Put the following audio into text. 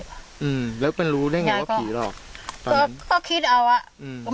อืมแล้วเป็นรู้ได้ไงว่าผีหลอกตอนนั้นก็คิดเอาอ่ะอืม